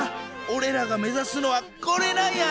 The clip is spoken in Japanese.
おれらが目指すのはこれなんや！